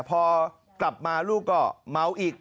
พอกลับมาลูกก็เมาอีก